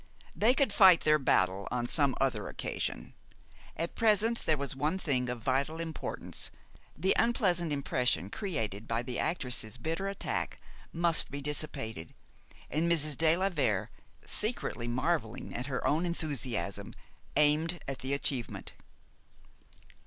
They could fight their battle on some other occasion. At present there was one thing of vital importance, the unpleasant impression created by the actress's bitter attack must be dissipated, and Mrs. de la Vere, secretly marveling at her own enthusiasm, aimed at the achievement.